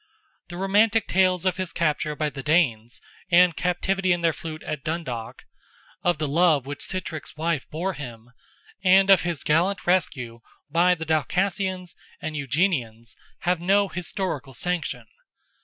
The romantic tales of his capture by the Danes, and captivity in their fleet at Dundalk, of the love which Sitrick's wife bore him, and of his gallant rescue by the Dalcassians and Eugenians, have no historical sanction.